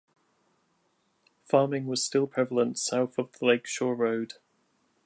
Farming was still prevalent south of The Lake Shore Road.